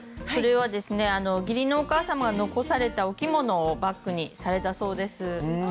これはですね義理のお母様が残されたお着物をバッグにされたそうです。